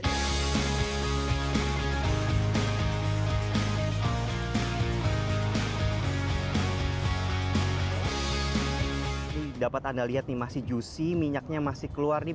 ini dapat anda lihat nih masih juicy minyaknya masih keluar nih